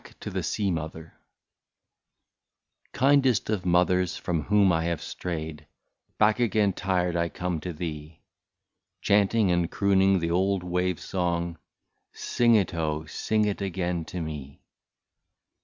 185 BACK TO THE SEA MOTHER. Kindest of mothers, from whom I have strayed, Back again tired I come to thee, Chanting and crooning the old wave song, — Sing it, oh! sing it again to me